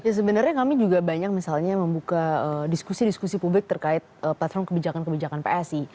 ya sebenarnya kami juga banyak misalnya membuka diskusi diskusi publik terkait platform kebijakan kebijakan psi